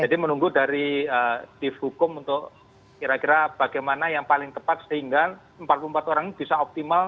jadi menunggu dari div hukum untuk kira kira bagaimana yang paling tepat sehingga empat puluh empat orang ini bisa optimal